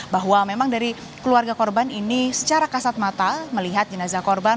bahwa memang dari keluarga korban ini secara kasat mata melihat jenazah korban